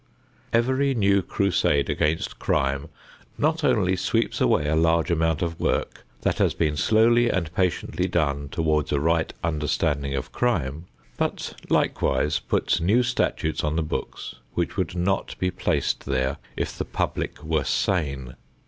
Every new crusade against crime not only sweeps away a large amount of work that has been slowly and patiently done toward a right understanding of crime, but likewise puts new statutes on the books which would not be placed there if the public were sane.